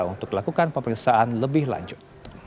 untuk melakukan pemperiksaan lebih lanjut